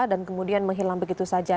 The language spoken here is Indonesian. dan kemudian menghilang begitu saja